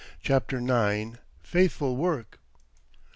CHAPTER IX. FAITHFUL WORK.